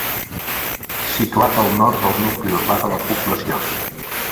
Situat al nord del nucli urbà de la població.